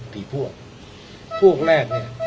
กี่พวกพวกแรกเนี่ย